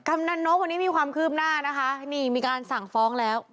กำนันนกวันนี้มีความคืบหน้านะคะนี่มีการสั่งฟ้องแล้ว